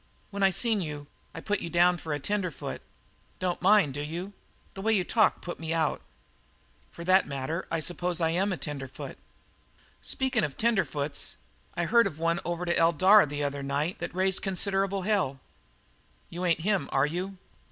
"When I seen you, I put you down for a tenderfoot. Don't mind, do you? The way you talked put me out." "For that matter, I suppose I am a tenderfoot." "Speakin' of tenderfoots, I heard of one over to Eldara the other night that raised considerable hell. You ain't him, are you?"